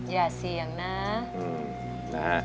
อย่าเสี่ยงนะ